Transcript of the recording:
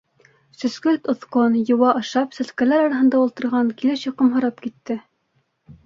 Сөскөлт оҫҡон, йыуа ашап, сәскәләр араһында ултырған килеш йоҡомһорап китте.